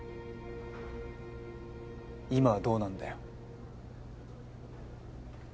今はどうなんだよ？